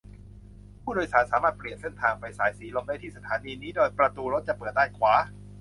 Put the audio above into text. ผู้โดยสารสามารถเปลี่ยนเส้นทางไปสายสีลมได้ที่สถานีนี้ โดยประตูรถจะเปิดด้านขวา